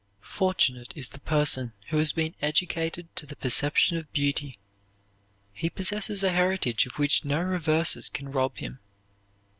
Fortunate is the person who has been educated to the perception of beauty; he possesses a heritage of which no reverses can rob him.